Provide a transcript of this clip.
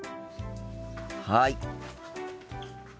はい。